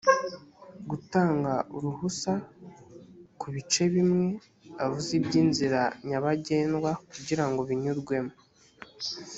gutanga uruhusa ku bice bimwe avuze by inzira nyabagendwa kugirango binyurwemo